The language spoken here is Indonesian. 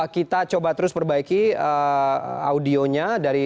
kita coba terus perbaiki audionya